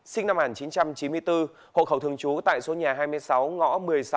sinh năm một nghìn chín trăm chín mươi bốn hộ khẩu thường trú tại số nhà hai mươi sáu ngõ một mươi sáu